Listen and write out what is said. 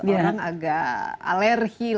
orang agak alergi